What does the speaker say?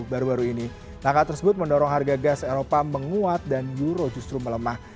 baru baru ini langkah tersebut mendorong harga gas eropa menguat dan euro justru melemah